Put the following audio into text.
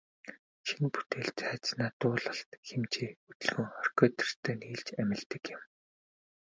Шинэ бүтээл тайзнаа дуулалт, хэмжээ, хөдөлгөөн, оркестертэй нийлж амилдаг юм.